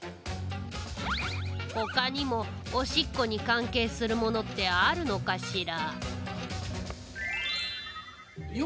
ほかにもおしっこに関係するものってあるのかしら。